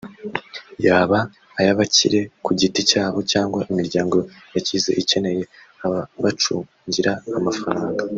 yaba ay’abakire ku giti cyabo cyangwa imiryango yakize ikeneye ababacungira amafaranga